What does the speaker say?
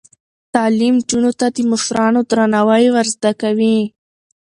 تعلیم نجونو ته د مشرانو درناوی ور زده کوي.